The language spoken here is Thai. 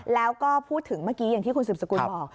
แล้วก็พูดถึงเมื่อกี้อย่างที่คุณสืบสกุลบอก